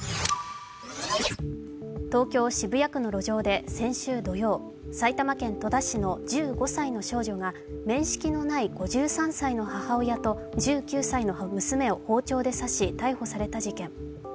東京・渋谷区の路上で先週土曜埼玉県戸田市の１５歳の少女が面識のない５３歳の母親と１９歳の娘を包丁で刺し、逮捕された事件。